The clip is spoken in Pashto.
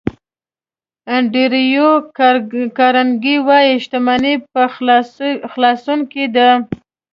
انډریو کارنګي وایي شتمني په خلاصون کې ده.